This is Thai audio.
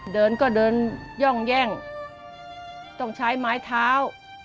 เดินก็เดินย่องแย่งต้องใช้ไม้เท้า